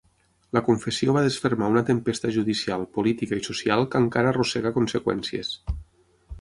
La confessió va desfermar una tempesta judicial, política i social que encara arrossega conseqüències.